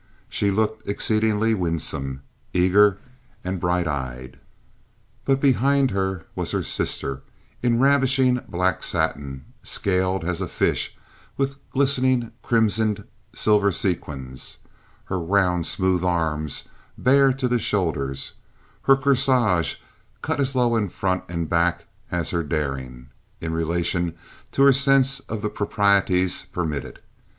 She looked exceedingly winsome—eager and bright eyed. But behind her was her sister in ravishing black satin, scaled as a fish with glistening crimsoned silver sequins, her round, smooth arms bare to the shoulders, her corsage cut as low in the front and back as her daring, in relation to her sense of the proprieties, permitted.